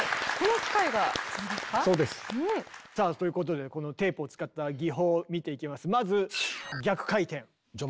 さあということでこのテープを使った技法を見ていきます。